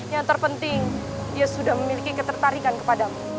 yang terpenting dia sudah memiliki ketertarikan kepadamu